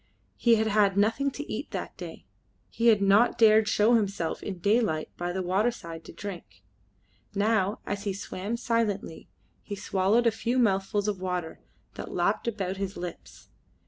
He had had nothing to eat that day, and had not dared show himself in daylight by the water side to drink. Now, as he swam silently, he swallowed a few mouthfuls of water that lapped about his lips.